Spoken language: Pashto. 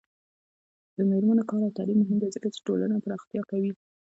د میرمنو کار او تعلیم مهم دی ځکه چې ټولنې پراختیا کوي.